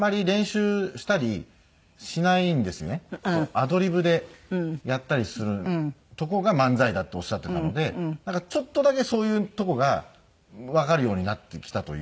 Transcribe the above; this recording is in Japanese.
アドリブでやったりするとこが漫才だっておっしゃってたのでちょっとだけそういうとこがわかるようになってきたというか。